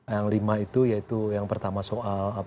yang lima itu yaitu yang pertama soal